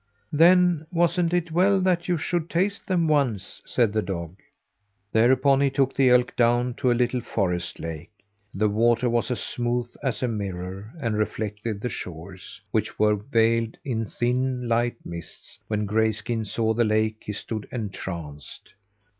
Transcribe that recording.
"Then wasn't it well that you should taste them once?" said the dog. Thereupon he took the elk down to a little forest lake. The water was as smooth as a mirror, and reflected the shores, which were veiled in thin, light mists. When Grayskin saw the lake he stood entranced.